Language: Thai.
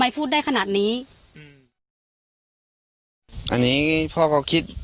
ที่มีข่าวเรื่องน้องหายตัว